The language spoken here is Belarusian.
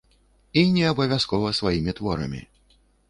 І не абавязкова сваімі творамі.